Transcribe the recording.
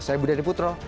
saya budi dedy putro